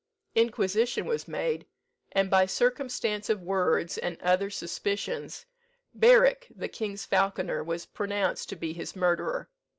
Inquisition was made; and by circumstance of words, and other suspicions, Berick, the king's falconer, was pronounced to be his murderer.